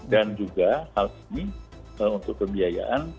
dan juga hal ini untuk kebiayaan